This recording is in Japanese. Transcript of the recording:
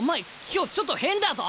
今日ちょっと変だぞ！